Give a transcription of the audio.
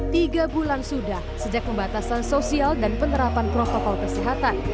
tiga bulan sudah sejak pembatasan sosial dan penerapan protokol kesehatan